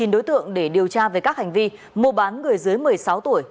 chín đối tượng để điều tra về các hành vi mua bán người dưới một mươi sáu tuổi